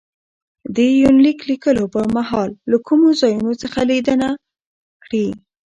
دې يونليک ليکلو په مهال له کومو ځايونو څخه ليدنه کړې